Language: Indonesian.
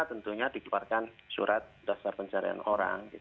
tentunya dikeluarkan surat dasar pencarian orang